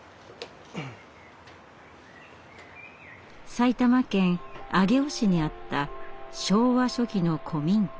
埼玉県上尾市にあった昭和初期の古民家。